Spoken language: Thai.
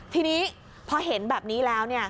ทีนี้พอเห็นแบบนี้แล้ว